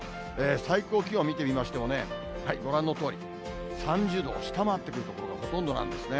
最高気温見てみましてもね、ご覧のとおり、３０度を下回ってくる所がほとんどなんですね。